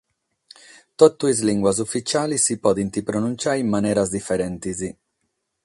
Totu sas limbas ufitziales si podent pronuntziare in maneras diferentes.